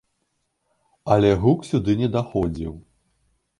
Але гук сюды не даходзіў.